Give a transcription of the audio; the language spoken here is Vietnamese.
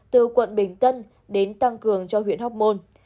từ quận bình tân đến tăng cường cho huyện hóc môn